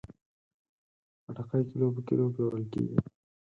خټکی کیلو په کیلو پلورل کېږي.